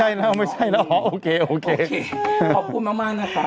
อ๋อไม่ใช่ล่ะไม่ใช่แล้วอ๋อโอเคโอเคโอเคขอบคุณมากนะครับ